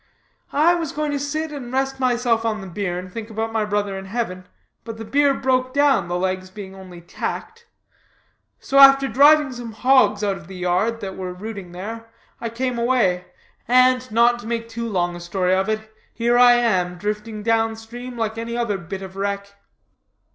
I was going to sit and rest myself on the bier and think about my brother in heaven, but the bier broke down, the legs being only tacked. So, after driving some hogs out of the yard that were rooting there, I came away, and, not to make too long a story of it, here I am, drifting down stream like any other bit of wreck."